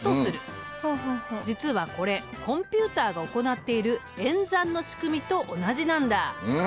実はこれコンピュータが行っている演算の仕組みと同じなんだ。